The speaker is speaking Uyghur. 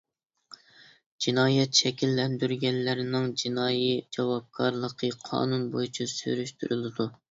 جىنايەت شەكىللەندۈرگەنلەرنىڭ جىنايى جاۋابكارلىقى قانۇن بويىچە سۈرۈشتۈرۈلىدۇ.